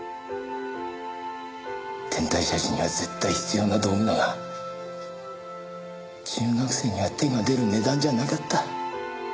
天体写真には絶対必要な道具だが中学生には手が出る値段じゃなかった。